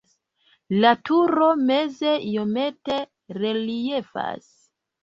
La turo meze iomete reliefas.